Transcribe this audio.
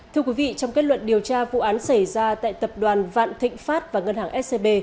thưa quý vị trong kết luận điều tra vụ án xảy ra tại tập đoàn vạn thịnh pháp và ngân hàng scb